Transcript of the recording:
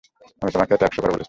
আমি তোমাকে এটা একশবার বলেছি।